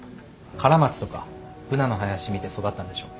カラマツとかブナの林見て育ったんでしょ。